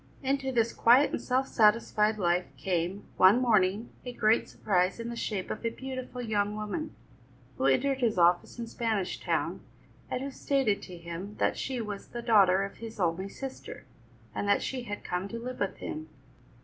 Into this quiet and self satisfied life came, one morning, a great surprise in the shape of a beautiful young woman, who entered his office in Spanish Town, and who stated to him that she was the daughter of his only sister, and that she had come to live with him.